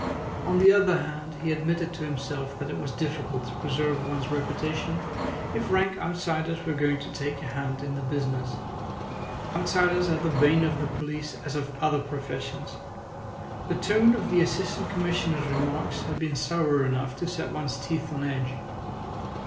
On the other hand, he admitted to himself that it was difficult to preserve one's reputation if rank outsiders were going to take a hand in the business. Outsiders are the bane of the police as of other professions. The tone of the Assistant Commissioner's remarks had been sour enough to set one's teeth on edge.